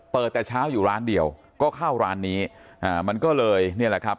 เปิดแต่เช้าอยู่ร้านเดียวก็เข้าร้านนี้อ่ามันก็เลยเนี่ยแหละครับ